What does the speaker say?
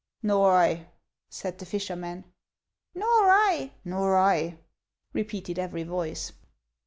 " Xor I," said the fisherman. " Xor I ; nor I," repeated every voice.